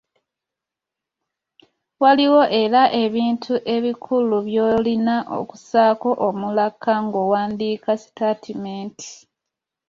Waliwo era ebintu ebikulu by’olina okussaako omulaka ng’owandiika sitaatimenti.